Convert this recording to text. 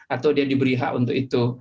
atau dia diberi hak untuk itu